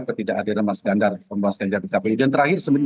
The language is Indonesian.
ketidakadiran mas ganjar dan terakhir